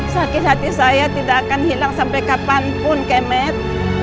sakit hati saya tidak akan hilang sampai kapanpun kemet